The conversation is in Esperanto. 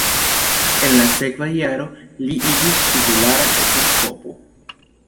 En la sekva jaro li iĝis titulara episkopo.